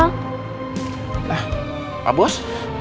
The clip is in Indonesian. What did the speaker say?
nah pak bos